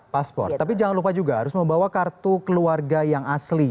paspor tapi jangan lupa juga harus membawa kartu keluarga yang asli